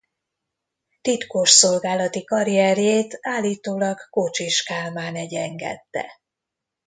Titkosszolgálati karrierjét állítólag Kocsis Kálmán egyengette.